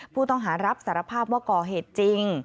ผู้ต้องหารับสารภาพว่าก่อเหตุจริง